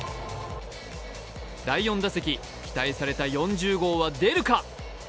第４打席、期待された４０号は出るか。